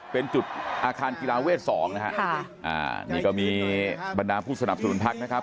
เป็นจุดอาคารกีฬาเวท๒นะฮะนี่ก็มีบรรดาผู้สนับสนุนพักนะครับ